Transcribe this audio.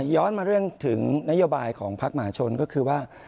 ย้อนมาเรื่องถึงนโยบายของพักมหาชนก็คือว่า